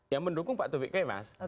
yang mendukung pak taufik kemas